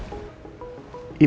ibu elsa melaporkan ibu andin